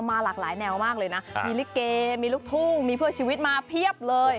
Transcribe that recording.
หลากหลายแนวมากเลยนะมีลิเกมีลูกทุ่งมีเพื่อชีวิตมาเพียบเลย